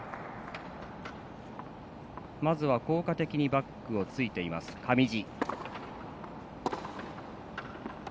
まずは効果的にバックを突いています、上地。